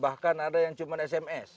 bahkan ada yang cuma sms